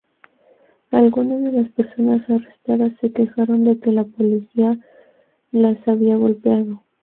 Algunas de las personas arrestadas se quejaron de que la policía las había golpeado.